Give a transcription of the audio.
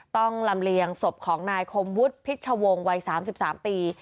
ลำเลียงศพของนายคมวุฒิพิชวงศ์วัย๓๓ปี